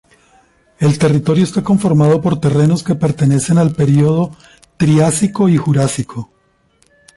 El territorio está conformado por terrenos que pertenecen al período triásico y jurásico.